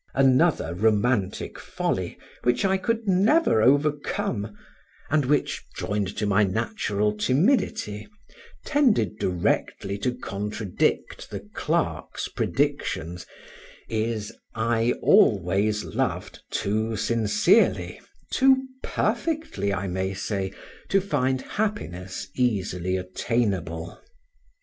Another romantic folly, which I could never overcome, and which, joined to my natural timidity, tended directly to contradict the clerk's predictions, is, I always loved too sincerely, too perfectly, I may say, to find happiness easily attainable.